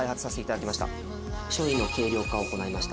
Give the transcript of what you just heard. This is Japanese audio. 商品の軽量化を行いました。